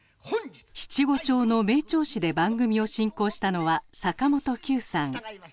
七五調の名調子で番組を進行したのは坂本九さん。